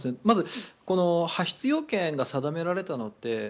まず、この発出要件が定められたのって